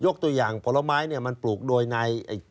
ตัวอย่างผลไม้เนี่ยมันปลูกโดยใน